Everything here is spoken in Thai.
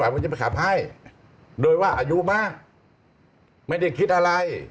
ไหวผมจะไปขับให้โดยว่าอายุมาก็อยู่มา